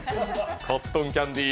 コットンキャンディー。